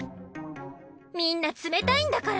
みんな冷たいんだから！